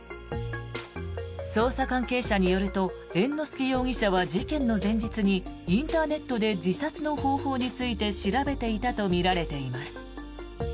捜査関係者によると猿之助容疑者は事件の前日にインターネットで自殺の方法について調べていたとみられています。